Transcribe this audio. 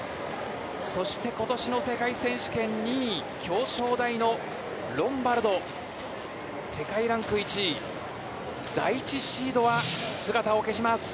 そして、今年の世界選手権２位、表彰台のロンバルド世界ランク１位、第１シードは姿を消します。